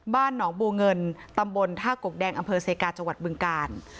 บ้านหนองบัวเงินตำบลท่ากกแดงอำเภอเซกาจังหวัดบึงกาล